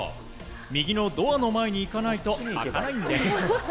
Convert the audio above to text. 右のドアの前に行かないと開かないんです。